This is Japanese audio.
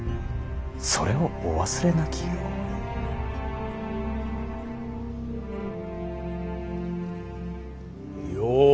それをお忘れなきよう。